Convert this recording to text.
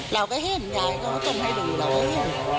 เราก็ให้เห็นยายก็ต้องให้ดูเลย